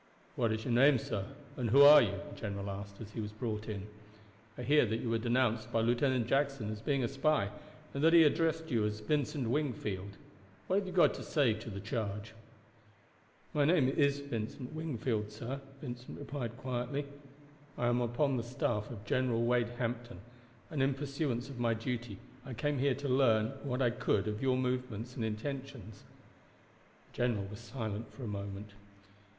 "What is your name, sir, and who are you?" the general asked as he was brought in. "I hear that you were denounced by Lieutenant Jackson as being a spy, and that he addressed you as Vincent Wingfield. What have you got to say to the charge?" "My name is Vincent Wingfield, sir," Vincent replied quietly. "I am upon the staff of General Wade Hampton, and in pursuance of my duty I came here to learn what I could of your movements and intentions." The general was silent for a moment.